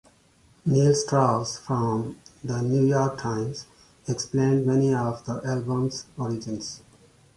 Neil Strauss from "The New York Times" explained many of the album's origins.